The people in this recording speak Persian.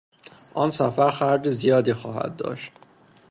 آن سفر خرج زیادی خواهد داشت.